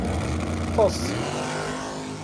Ṭṭes.